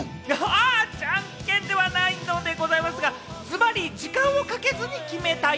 あ、ジャンケンではないのでございますが、ズバリ時間をかけずに決めたい。